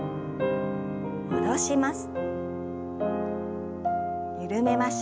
戻します。